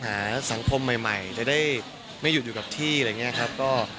สังคมใหม่จะได้ไม่หยุดอยู่กับที่อะไรอย่างนี้ครับ